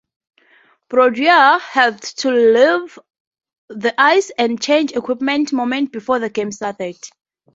Brodeur had to leave the ice and change equipment moments before the game started.